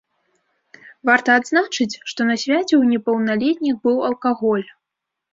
Варта адзначыць, што на свяце ў непаўналетніх быў алкаголь.